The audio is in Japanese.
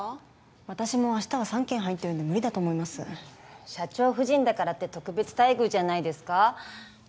私も明日は三件入ってるんで無理だと思います社長夫人だからって特別待遇じゃないですか？